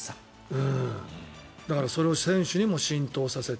だからそれを選手にも浸透させて。